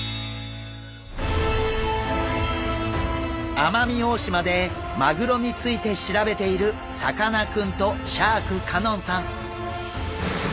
奄美大島でマグロについて調べているさかなクンとシャーク香音さん。